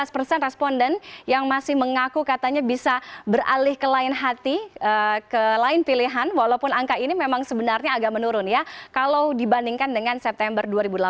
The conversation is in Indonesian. lima belas persen responden yang masih mengaku katanya bisa beralih ke lain hati ke lain pilihan walaupun angka ini memang sebenarnya agak menurun ya kalau dibandingkan dengan september dua ribu delapan belas